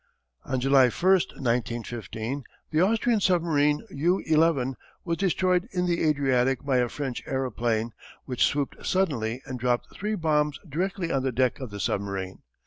"On July 1, 1915, the Austrian submarine U 11 was destroyed in the Adriatic by a French aeroplane, which swooped suddenly and dropped three bombs directly on the deck of the submarine.